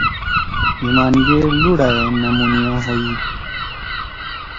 ہیِمان گے لُوڑا ئے نمُونیا ہوئی۔